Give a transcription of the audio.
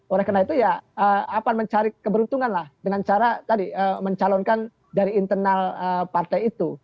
oleh karena itu ya akan mencari keberuntungan lah dengan cara tadi mencalonkan dari internal partai itu